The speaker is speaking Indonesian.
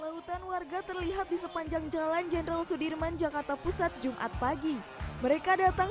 lautan warga terlihat di sepanjang jalan jenderal sudirman jakarta pusat jumat pagi mereka datang